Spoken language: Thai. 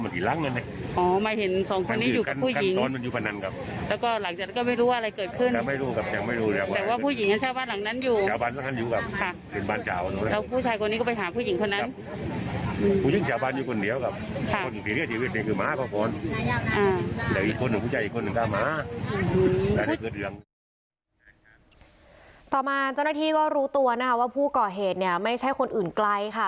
ต่อมาเจ้าหน้าที่ก็รู้ตัวนะคะว่าผู้ก่อเหตุเนี่ยไม่ใช่คนอื่นไกลค่ะ